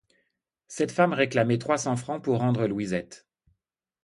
Cette femme réclamait trois cents francs pour rendre Louiset.